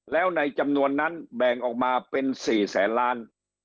แล้วในจำนวนนั้นแบ่งออกมาเป็น๔แสนล้าน